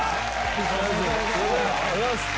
ありがとうございます。